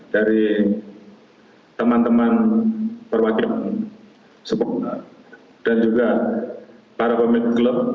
dari teman teman perwakilan sepak bola dan juga para pemimpin klub